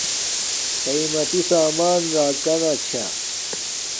قیماتی سامان راکا چھے